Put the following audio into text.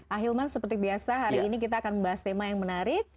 ahilman seperti biasa hari ini kita akan membahas tema yang menarik